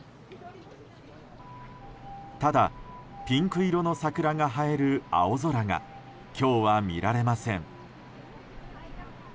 ただ、ピンク色の桜が映える青空が今日は見られません。